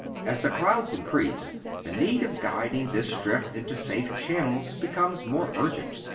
As the crowds increase, the need of guiding this drift into safe channels becomes more urgent.